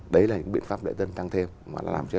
đấy là những biện pháp lễ tân tăng thêm